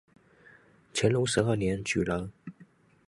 乾隆十二年举人。